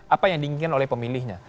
apa yang diinginkan oleh pemilihnya